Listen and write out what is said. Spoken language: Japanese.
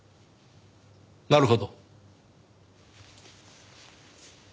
なるほど。